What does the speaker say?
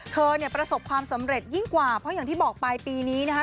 เธอเนี่ยประสบความสำเร็จยิ่งกว่าเพราะอย่างที่บอกไปปีนี้นะคะ